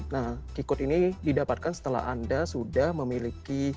nah key code ini didapatkan setelah anda sudah memiliki